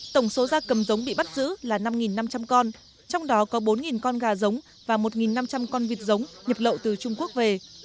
tổng số gia cầm giống bị bắt giữ là năm năm trăm linh con trong đó có bốn con gà giống và một năm trăm linh con vịt giống nhập lậu từ trung quốc về